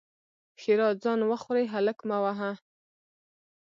ښېرا: ځان وخورې؛ هلک مه وهه!